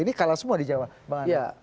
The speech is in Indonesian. ini kalah semua di jawa